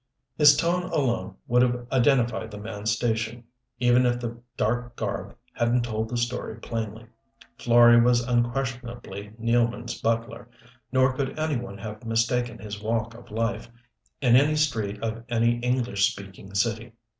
His tone alone would have identified the man's station, even if the dark garb hadn't told the story plainly. Florey was unquestionably Nealman's butler. Nor could anyone have mistaken his walk of life, in any street of any English speaking city.